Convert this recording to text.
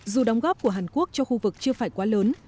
dù đóng góp của hàn quốc cho khu vực chưa phải quá lớn